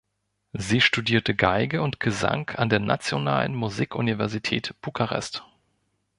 Sie studierte Geige und Gesang an der Nationalen Musikuniversität Bukarest.